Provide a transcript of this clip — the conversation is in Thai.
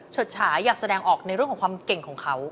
ฉาอยากแสดงออกในเรื่องของความเก่งของเขา